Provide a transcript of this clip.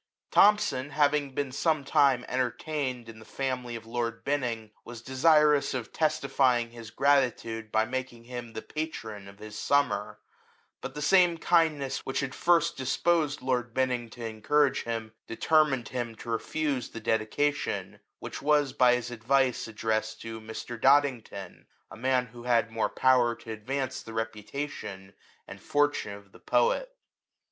Thomson, having been some time enter tained in the family of lord Binning, was desirous of testifying his gratitude by making him the patron of his " Summer;" but the same kindness which had first disposed lord Binning to encourage him, determined him to refuse the dedication, which was by his advice addressed to Mr. Dodington, a man who had more power to advance the reputa tion and fortune of the poet.